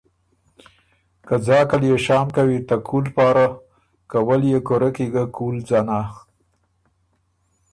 که ځاک ال يې شام کوی ته کُول پاره که وه ليې کُوره کی ګۀ کُول ځنا